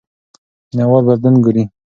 مینه وال بدلون ګوري.